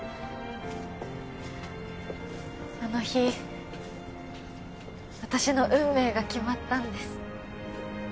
あの日私の運命が決まったんです